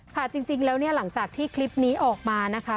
ค่ะจริงแล้วเนี่ยหลังจากที่คลิปนี้ออกมานะคะ